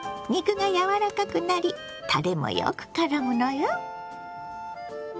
肉がやわらかくなりたれもよくからむのよ。